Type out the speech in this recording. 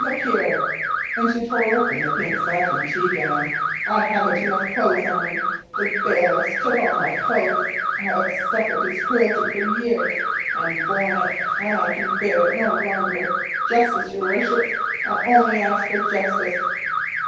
Look here," and she tore open the pink satin tea gown, "I haven't enough clothes on me; the bailiffs took all my clothes; I have suffered his cruelty for years, and borne it, and I can bear it no longer. Justice, your worships; I only ask for justice."